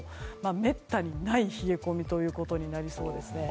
めったにない冷え込みということになりそうです。